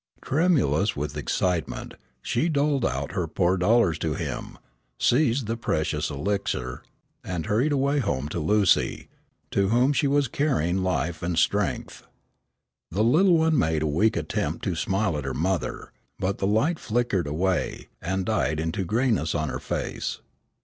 Tremulous with excitement, she doled out her poor dollars to him, seized the precious elixir and hurried away home to Lucy, to whom she was carrying life and strength. The little one made a weak attempt to smile at her mother, but the light flickered away and died into greyness on her face.